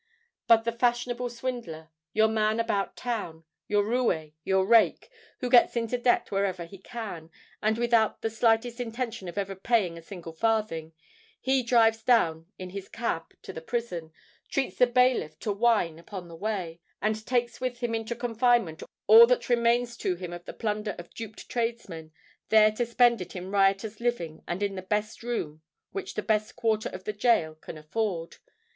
But the fashionable swindler—your man about town—your roué—your rake, who gets into debt wherever he can, and without the slightest intention of ever paying a single farthing,—he drives down in his cab to the prison—treats the bailiff to wine upon the way—and takes with him into confinement all that remains to him of the plunder of duped tradesmen, there to spend it in riotous living and in the best room which the best quarter of the gaol can afford!